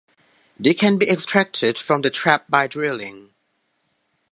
They can be extracted from the trap by drilling.